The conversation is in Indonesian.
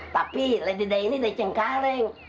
tapi lady day ini dari cengkareng